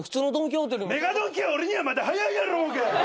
ＭＥＧＡドンキは俺にはまだ早いやろうが！